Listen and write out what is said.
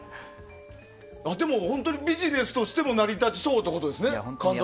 本当にビジネスとしても成り立ちそうなんですね。